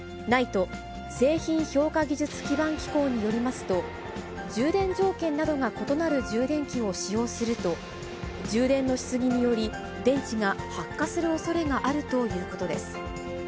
ＮＩＴＥ・製品評価技術基盤機構によりますと、充電条件などが異なる充電器を使用すると、充電のし過ぎにより、電池が発火するおそれがあるということです。